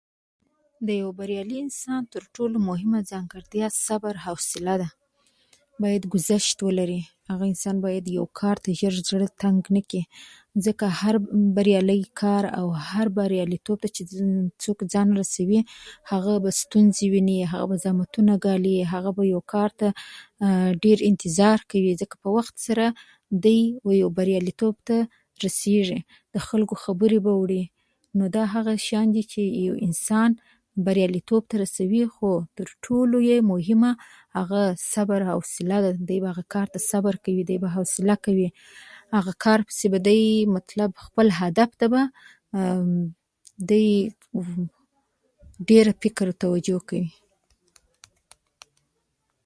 د یو بریالي انسان تر ټولو مهمه ځانګړتیا صبر او حوصله ده. باید ګذشت ولري. هغه انسان باید یو کار ته ژر زړه تنګ نه کړي، ځکه هر بریالی کار او هر بریالیتوب [unintelligible] ته چې څوک ځان رسوي، هغه به ستونزې ویني، هغه به زحمتونه ګالي، هغه به یو کار ډېر انتظار کوي، ځکه وخت سره دی یو بریالیتوب ته رسېږي. د خلکو خبرې به وړي. نو دا هغه شیان دي چې یو انسان بریالیتوب ته رسوي، خو تر ټولو یې مهمه هغه صبر او حوصله [unintelligible] دی، به هغه کار ته صبر کوي، دی به حوصله کوي، هغه کار پسې به دی، مطلب خپله هدف ته به دی ډېر فکر او توجه کوي.